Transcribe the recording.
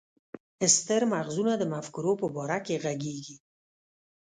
ستر مغزونه د مفکورو په باره کې ږغيږي.